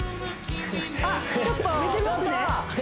あっちょっと飛べてますね